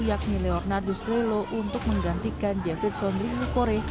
yakni leonardo slelo untuk menggantikan jefferson rimu kore